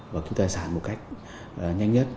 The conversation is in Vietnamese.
và cứu tài sản một cách nhanh nhất